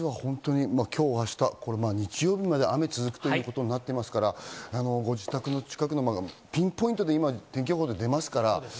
今日明日、日曜日まで雨が続くということですから、ご自宅の位置をピンポイントで、天気が出ますから。